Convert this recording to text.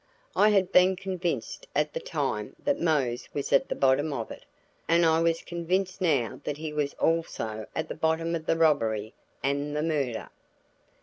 I had been convinced at the time that Mose was at the bottom of it, and I was convinced now that he was also at the bottom of the robbery and the murder.